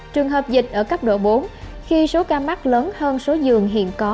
trường hợp dịch ở cấp độ bốn khi số ca mắc lớn hơn số giường hiện có